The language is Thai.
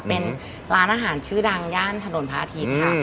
เป็นร้านอาหารชื่อดังย่านถนนพระอาทิตย์ค่ะ